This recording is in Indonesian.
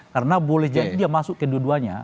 karena boleh jadi dia masuk ke keduanya